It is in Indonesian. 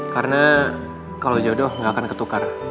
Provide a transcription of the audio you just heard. karena kalau jodoh gak akan ketukar